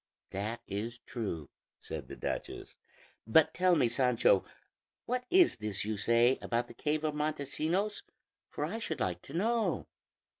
"That is true," said the duchess; "but tell me, Sancho, what is this you say about the cave of Montesinos, for I should like to know."